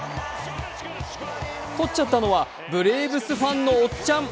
とっちゃったのはブレーブスファンのおっちゃん。